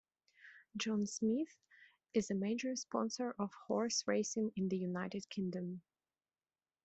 John Smith's is a major sponsor of horse racing in the United Kingdom.